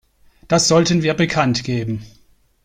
Das sollten wir bekanntgeben.